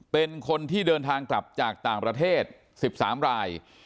เป็นคนที่เดินทางกลับจากต่างประเทศ๑๓ราย